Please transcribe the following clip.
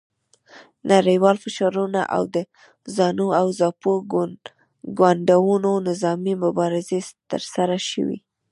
نړیوال فشارونه او د زانو او زاپو ګوندونو نظامي مبارزې ترسره شوې.